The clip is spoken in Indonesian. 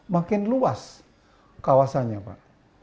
makin luas kawasannya pak